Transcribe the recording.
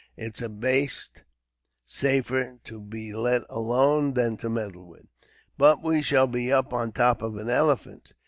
It's a baste safer to let alone than to meddle with." "But we shall be up on the top of an elephant.